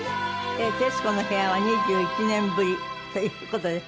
『徹子の部屋』は２１年ぶりという事で。